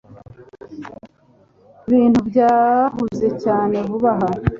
Ibintu byahuze cyane vuba aha